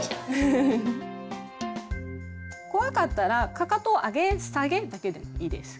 怖かったらかかとを上げ下げだけでもいいです。